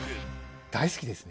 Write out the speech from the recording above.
大好きですね。